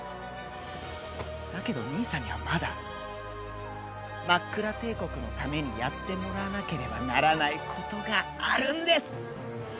だけど兄さんにはまだマックラ帝国のためにやってもらわなければならないことがあるんです！